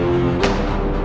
hadi mari kita coba terima